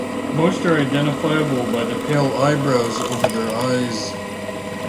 Most are identifiable by the pale "eyebrows" over their eyes.